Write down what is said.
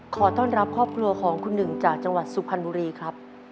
ขอต้อนรับครอบครัวของคุณหนึ่งจากจังหวัดสุพรรณบุรีครับ